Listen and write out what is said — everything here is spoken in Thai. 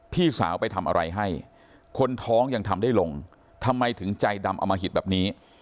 พี่สาวไปทำอะไรให้คนท้องยังทำได้ลงทำไมถึงใจดำอมหิตแบบนี้